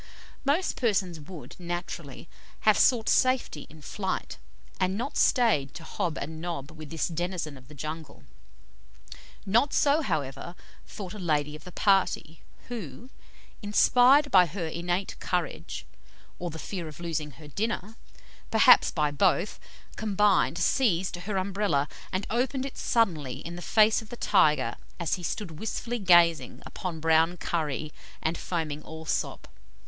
Most persons would, naturally, have sought safety in flight, and not stayed to hob and nob with this denizen of the jungle; not so, however, thought a lady of the party, who, inspired by her innate courage, or the fear of losing her dinner perhaps by both combined seized her Umbrella, and opened it suddenly in the face of the tiger as he stood wistfully gazing upon brown curry and foaming Allsop.